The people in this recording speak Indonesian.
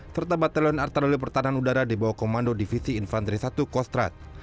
serta batalion artileri pertahanan udara di bawah komando divisi infantri i kostrat